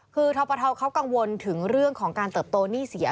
คือทปทเขากังวลถึงเรื่องของการเติบโตหนี้เสีย